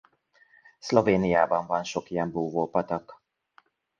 Szlovéniában van sok ilyen búvópatak.